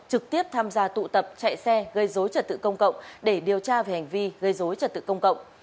trực tiếp tham gia tụ tập chạy xe gây dối trật tự công cộng để điều tra về hành vi gây dối trật tự công cộng